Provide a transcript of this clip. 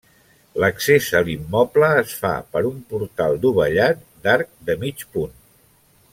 L'accés a l'immoble es fa per un portal dovellat d'arc de mig punt.